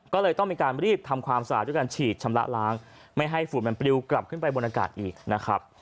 ก็เลยต้องมีการรีบทำความสะอาดด้วยการฉีดชำระล้างไม่ให้ฝุ่นมันปลิวกลับขึ้นไปบนอากาศอีกนะครับ